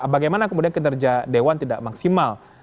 bagaimana kemudian kinerja dewan tidak maksimal